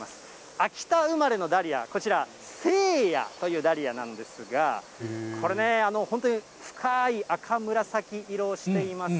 秋田生まれのダリア、こちら、星夜というダリアなんですが、これね、本当に深い赤紫色をしています。